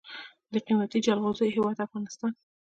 د قیمتي جلغوزیو هیواد افغانستان.